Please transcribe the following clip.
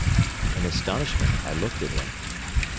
In astonishment I looked at him.